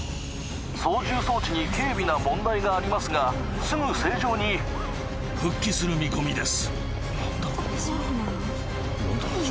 操縦装置に軽微な問題がありますがすぐ正常に復帰する見込みです